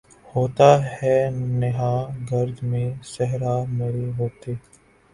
ہوتا ہے نہاں گرد میں صحرا مرے ہوتے